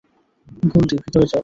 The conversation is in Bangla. গোল্ডি, ভেতরে যাও।